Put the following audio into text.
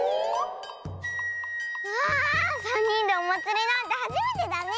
わあさんにんでおまつりなんてはじめてだね！